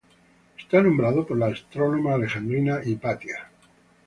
Está nombrado por la astrónoma alejandrina Hipatia.